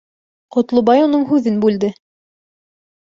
Ҡотлобай уның һүҙен бүлде: